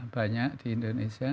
banyak di indonesia